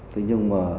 thế nhưng mà